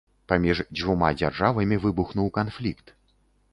Паміж дзвюма дзяржавамі выбухнуў канфлікт.